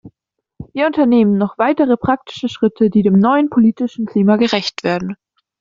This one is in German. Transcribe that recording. Wir unternehmen noch weitere praktische Schritte, die dem neuen politischen Klima gerecht werden.